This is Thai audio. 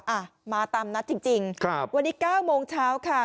อ่ะมาตามนัดจริงวันนี้๙โมงเช้าค่ะ